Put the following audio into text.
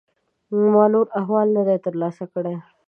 ما نور احوال نه دی ترلاسه کړی.